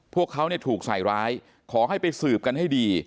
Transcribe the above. พวกเขาถูกใส่ร้ายขอให้ไปสืบกันให้ดี